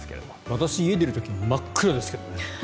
私、家を出る時真っ暗ですけどね。